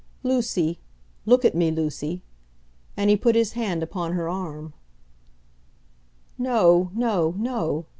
"Lucy; look at me, Lucy," and he put his hand upon her arm. "No, no, no!"